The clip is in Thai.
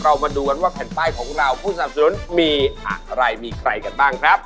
มาดูกันว่าแผ่นป้ายของเราผู้สนับสนุนมีอะไรมีใครกันบ้างครับ